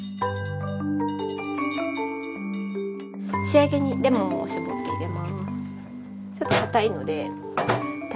仕上げにレモンを搾って入れます。